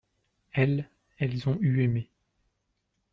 elles, elles ont eu aimé.